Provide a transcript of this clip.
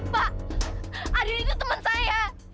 pak adil itu teman saya